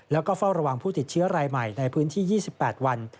แล้วก็เฝ้าระวังผู้ติดเชื้อรายใหม่ในพื้นที่๒๘วัน